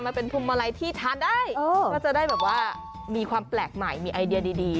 มาเป็นพรมไลน์ที่ทานได้ก็จะได้มีความแปลกใหม่มีไอเดียดี